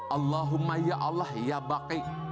allahumma ya allah ya baki